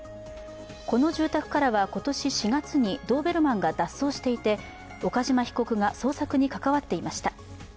この住宅からは今年４月にドーベルマンが脱走していて、岡島被告が捜索に関わっていました。